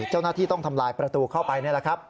เจ้าหน้าที่ต้องทำลายประตูเข้าไปนี่แหละครับ